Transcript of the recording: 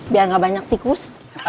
biar gak banyak tikus